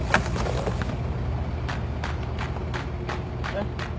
えっ？